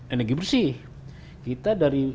energi bersih kita dari